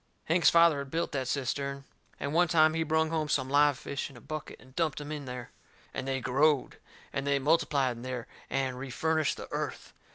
Hank's father had built that cistern. And one time he brung home some live fish in a bucket and dumped em in there. And they growed. And they multiplied in there and refurnished the earth.